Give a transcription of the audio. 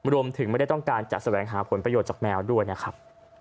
ไม่ได้ต้องการจะแสวงหาผลประโยชน์จากแมวด้วยนะครับ